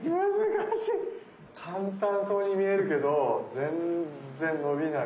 簡単そうに見えるけど全然のびない。